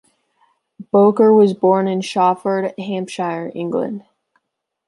Bowker was born in Shawford, Hampshire, England.